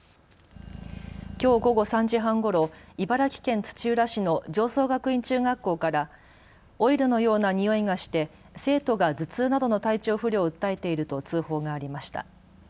きょう午後３時半ごろ茨城県土浦市の常総学院中学校からオイルのような臭いがして生徒が頭痛などの体調不良を訴えていると通報がありました。